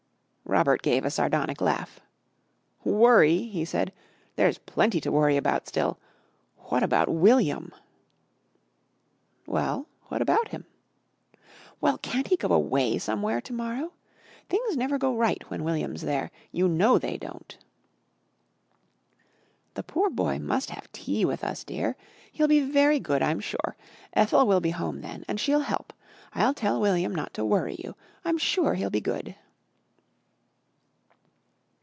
Robert gave a sardonic laugh. "Worry!" he said, "There's plenty to worry about still. What about William?" "Well, what about him?" "Well, can't he go away somewhere to morrow? Things never go right when William's there. You know they don't." "The poor boy must have tea with us, dear. He'll be very good, I'm sure. Ethel will be home then and she'll help. I'll tell William not to worry you. I'm sure he'll be good."